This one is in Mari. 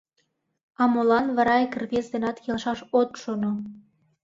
— А молан вара ик рвезе денат келшаш от шоно?